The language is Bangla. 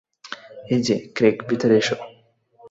এইযে, ক্রেগ, ভিতরে এসো।